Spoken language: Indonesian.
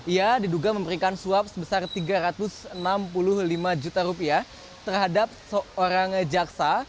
ia diduga memberikan suap sebesar rp tiga ratus enam puluh lima juta terhadap seorang jaksa